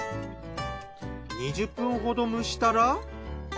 ２０分ほど蒸したら。